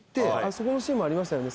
そこのシーンもありましたよね